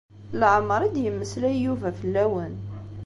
Leɛmeṛ i d-yemmeslay Yuba fell-awen.